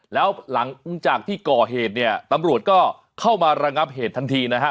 แล้วหลังจากที่ก่อเหตุเนี่ยตำรวจก็เข้ามาระงับเหตุทันทีนะฮะ